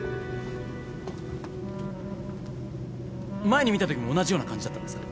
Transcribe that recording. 前に見たときも同じような感じだったんですか？